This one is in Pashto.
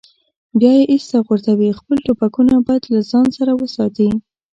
بیا یې ایسته غورځوي، خپل ټوپکونه باید له ځان سره وساتي.